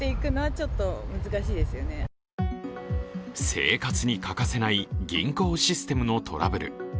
生活に欠かせない銀行システムのトラブル。